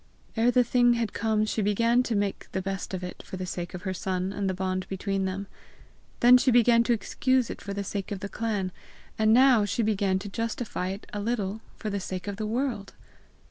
Ere the thing had come she began to make the best of it for the sake of her son and the bond between them; then she began to excuse it for the sake of the clan; and now she began to justify it a little for the sake of the world!